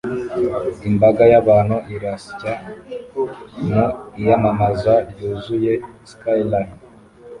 Imbaga y'abantu irasya mu iyamamaza ryuzuye skyline